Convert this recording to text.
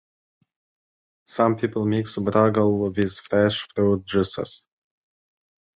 Some people mix Brugal with fresh fruit juices.